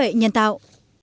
trí tuệ nhân tạo